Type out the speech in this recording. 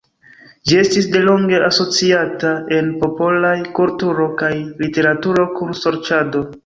Ĝi estis delonge asociata en popolaj kulturo kaj literaturo kun sorĉado.